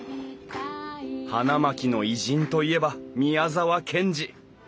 花巻の偉人といえば宮沢賢治。